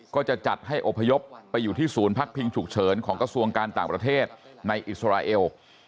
ก็จะจัดให้อพยพไปอยู่ที่ศูนย์พักพิงฉุกเฉินของกระทรวงการต่างประเทศในอิสราเอล